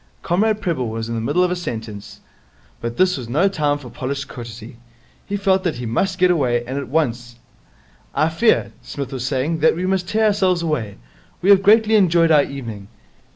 Comrade Prebble was in the middle of a sentence, but this was no time for polished courtesy. He felt that he must get away, and at once. 'I fear,' Psmith was saying, 'that we must tear ourselves away. We have greatly enjoyed our evening.